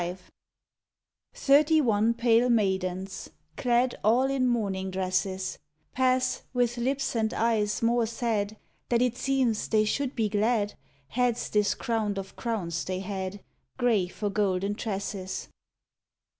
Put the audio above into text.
V Thirty one pale maidens, clad All in mourning dresses, Pass, with lips and eyes more sad That it seems they should be glad, Heads discrowned of crowns they had, Grey for golden tresses.